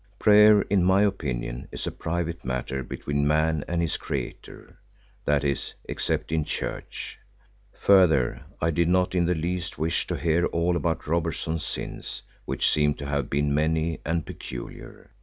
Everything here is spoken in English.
Prayer, in my opinion, is a private matter between man and his Creator, that is, except in church; further, I did not in the least wish to hear all about Robertson's sins, which seemed to have been many and peculiar.